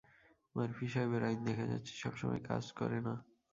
Murphy সাহেবের আইন দেখা যাচ্ছে সবসময় কাজ করে না।